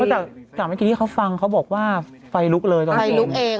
แต่จากเมื่อกี้ที่เขาฟังเขาบอกว่าไฟลุกเลยตอนนี้ไฟลุกเอง